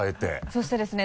そしてですね